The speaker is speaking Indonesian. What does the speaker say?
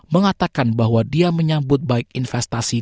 mengatakan bahwa dia menyambut baik investasi